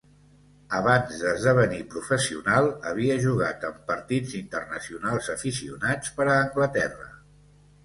Abans d'esdevenir professional, havia jugat en partits internacionals aficionats per a Anglaterra.